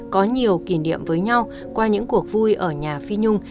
có nhiều kỷ niệm với nhau qua những cuộc vui ở nhà phi nhung